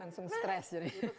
langsung stress jadi